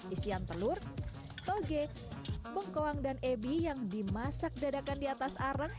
isian telur toge bengkoang dan ebi yang dimasak dadakan di atas arang